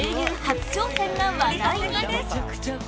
初挑戦が話題に！